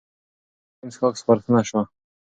سهار سالم څښاک سپارښتنه شوه.